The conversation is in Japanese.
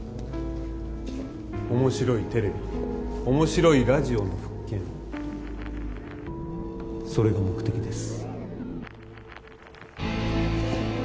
面白いテレビ面白いラジオの復権それが目的です。